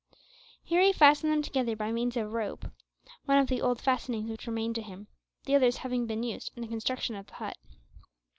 Here he fastened them together by means of a piece of rope one of the old fastenings which remained to him, the others having been used in the construction of the hut.